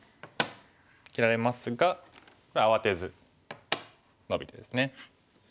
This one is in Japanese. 切られますがこれ慌てずノビてですね。